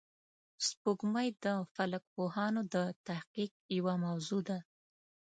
سپوږمۍ د فلک پوهانو د تحقیق یوه موضوع ده